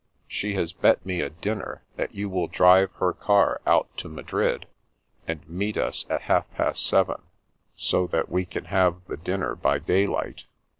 She has bet me a dinner that you will drive her car out to Madrid, and meet us at half past seven, so that we can have the dinner by daylight.